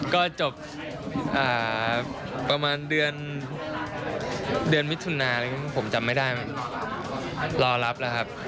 ก็จบประมาณเดือนมิถุนาผมจำไม่ได้รอรับแล้วครับ